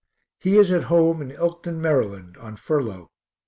He is home at Elkton, Maryland, on furlough.